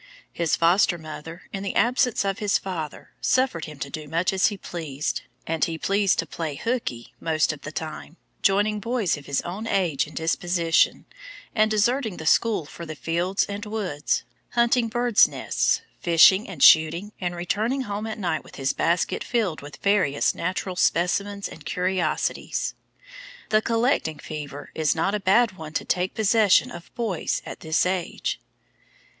His foster mother, in the absence of his father, suffered him to do much as he pleased, and he pleased to "play hookey" most of the time, joining boys of his own age and disposition, and deserting the school for the fields and woods, hunting birds' nests, fishing and shooting and returning home at night with his basket filled with various natural specimens and curiosities. The collecting fever is not a bad one to take possession of boys at this age.